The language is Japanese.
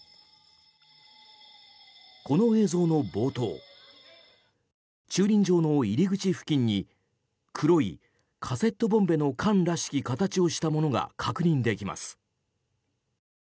この映像の冒頭駐輪場の入り口付近に黒いカセットボンベの缶らしき形をしたものが確認できます。